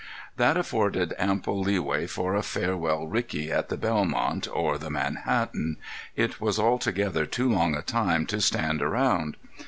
That afforded ample leeway for a farewell rickey at the Belmont or the Manhattan; it was altogether too long a time to stand around.